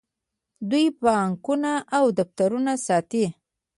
دوی بانکونه او دفترونه ساتي.